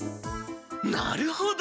なるほど！